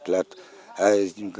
là chăm sóc